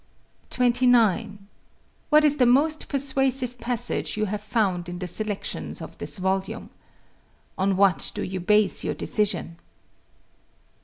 29. What is the most persuasive passage you have found in the selections of this volume. On what do you base your decision?